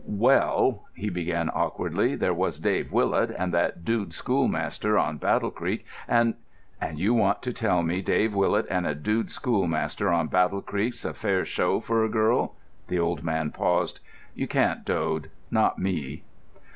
"Well," he began awkwardly, "there was Dave Willet and that dude schoolmaster on Battle Creek and——" "And you want to tell me Dave Willet and a dude schoolmaster on Battle Creek's a fair show for a girl?" The old man paused. "You can't, Dode—not me."